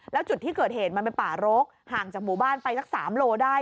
แล้วจุดที่เกิดเหตุมันเป็นป่ารกห่างจากหมู่บ้านไปสัก๓โลได้